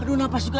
aduh nafas juga